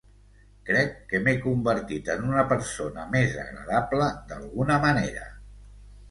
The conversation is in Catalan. Crec que m'he convertit en una persona més agradable d'alguna manera.